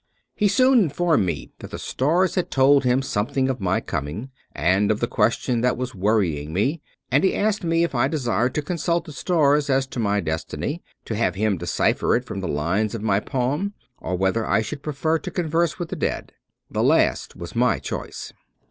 He soon informed me that the stars had told him some thing of my coming and of the question that was worrying me ; and he asked me if I desired to consult the stars as to my destiny, to have him decipher it from the lines of my palm, or whether I should prefer to converse with the dead. The last was my choice.